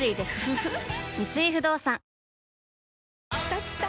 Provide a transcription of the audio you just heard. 三井不動産きたきた！